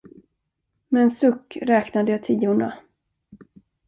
Med en suck räknade jag tiorna.